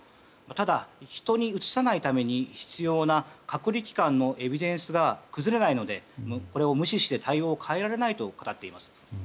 ただ、人にうつさないために必要な隔離期間のエビデンスが崩れないのでこれを無視して対応を変えられないと語っています。